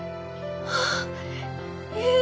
あっええ！